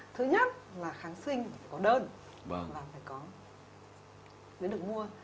thứ nhất là kháng sinh phải có đơn và phải có nước được mua